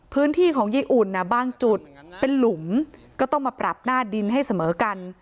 พื้นที่ของยายอุ่นบางจุดเป็นหลุมก็ต้องมาปรับหน้าดินให้เสมอกัน